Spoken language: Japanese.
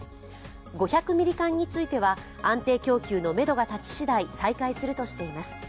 ５００ミリ缶については安定供給のめどが立ちしだい、再開するとしています。